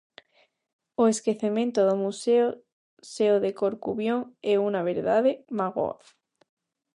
O esquecemento do museo seo de Corcubión é unha verdade mágoa.